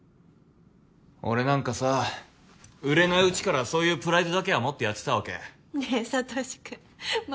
俺なんかさ売れないうちからそういうプライドだけは持ってやってたわけねえサトシくん